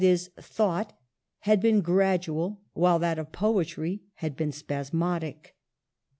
e. thought, had been grad ual, while that of poetry had been spasmodic.